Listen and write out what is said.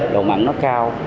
đồ mặn nó cao